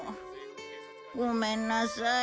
ごめんなさい。